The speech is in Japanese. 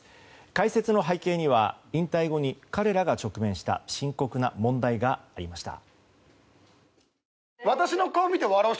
開設の背景には引退後に彼らが直面した深刻な問題がありました。